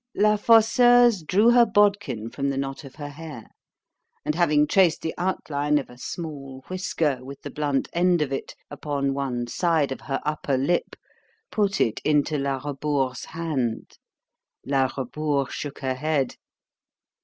_ La Fosseuse drew her bodkin from the knot of her hair, and having traced the outline of a small whisker, with the blunt end of it, upon one side of her upper lip, put in into La Rebours' hand—La Rebours shook her head.